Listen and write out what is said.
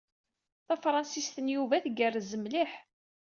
Tafṛensist n Yuba tgerrez mliḥ.